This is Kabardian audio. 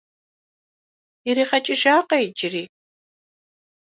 Иригъэкӏыжакъэ иджыри?